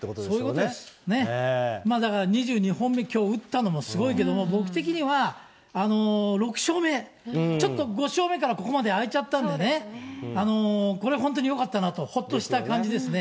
そういうことです。ね、だから、２２本目、きょう打ったのもすごいけども、僕的には、６勝目、ちょっと５勝目からここまであいちゃったんでね、これ、本当によかったなと、ほっとした感じですね。